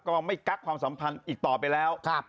ก็ไม่กักความสัมพันธ์อีกต่อไปแล้ว